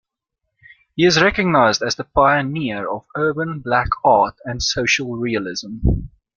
He is recognised as the pioneer of urban black art and social realism.